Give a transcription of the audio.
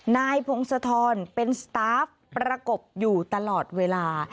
นายพงศธรเป็นสตาฟประกบอยู่ตลอดเวลา